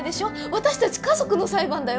私たち家族の裁判だよ。